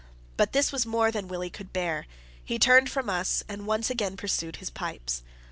But this was more than Willie could bear. He turned from us, and once again pursued his pipes.